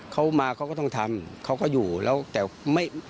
เขามาเขาก็ต้องทำเขาก็อยู่แล้วแต่ไม่